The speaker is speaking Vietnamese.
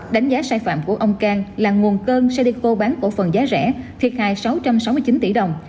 đánh giá sai phạm của ông cang là nguồn cơn sadico bán cổ phần giá rẻ thiệt hại sáu trăm sáu mươi chín tỷ đồng